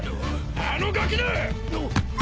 あのガキだ！